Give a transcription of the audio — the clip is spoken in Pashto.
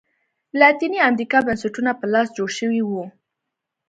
د لاتینې امریکا بنسټونه په لاس جوړ شوي وو.